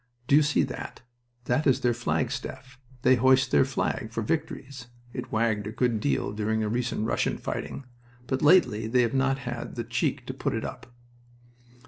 "Do you see that? That is their flagstaff. They hoist their flag for victories. It wagged a good deal during the recent Russian fighting. But lately they have not had the cheek to put it up."